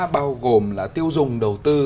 bao gồm là tiêu dùng đầu tư